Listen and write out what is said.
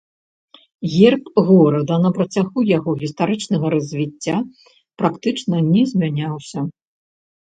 Герб горада на працягу яго гістарычнага развіцця практычна не змяняўся.